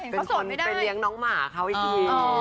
เป็นคนไปเลี้ยงน้องหมาข้าวิกฤษนะคะ